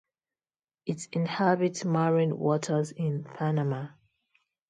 It inhabits marine waters in Panama.